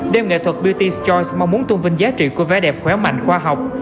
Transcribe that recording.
đêm nghệ thuật beauty s choice mong muốn tung vinh giá trị của bé đẹp khỏe mạnh khoa học